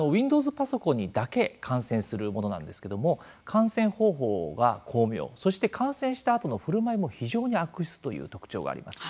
パソコンにだけ感染するものなんですけども感染方法が巧妙そして感染したあとのふるまいも非常に悪質という特徴があります。